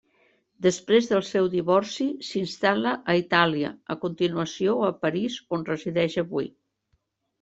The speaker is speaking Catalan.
Després del seu divorci, s'instal·la a Itàlia, a continuació a París on resideix avui.